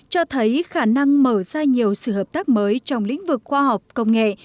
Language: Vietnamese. cho thấy khả năng mở ra nhiều sự hợp tác mới trong lĩnh vực khoa học công nghệ